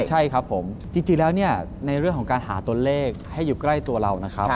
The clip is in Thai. ใช่ครับผมจริงแล้วเนี่ยในเรื่องของการหาตัวเลขให้อยู่ใกล้ตัวเรานะครับ